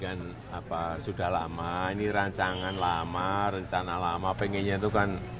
dan apa sudah lama ini rancangan lama rencana lama pengennya itu kan